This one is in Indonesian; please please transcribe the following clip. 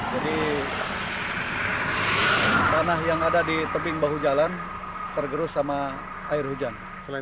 jadi tanah yang ada di tebing bahu jalan tergerus sama air hujan